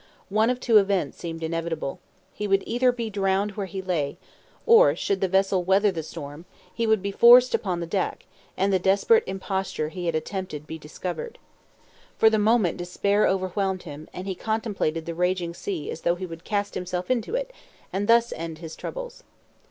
One of two events seemed inevitable; he would either be drowned where he lay, or, should the vessel weather the storm, he would be forced upon the deck, and the desperate imposture he had attempted be discovered. For the moment despair overwhelmed him, and he contemplated the raging sea as though he would cast himself into it, and thus end his troubles.